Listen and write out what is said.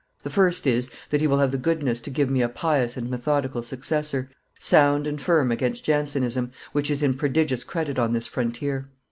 The first is, that he will have the goodness to give me a pious and methodical successor, sound and firm against Jansenism, which is in prodigious credit on this frontier.